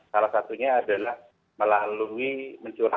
salah satunya adalah melalui mencurahkan